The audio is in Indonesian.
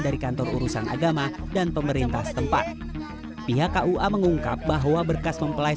dari kantor urusan agama dan pemerintah setempat pihak kua mengungkap bahwa berkas mempelai